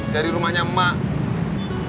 dari rumahnya emak